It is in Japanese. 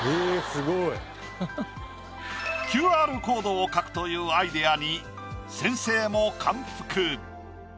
ＱＲコードを描くというアイデアに先生も感服。